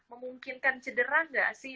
memungkinkan cedera gak sih